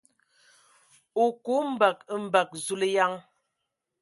O ku mbǝg mbǝg ! Zulǝyan.